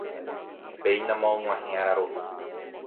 Péinama og̃uahẽ araro'y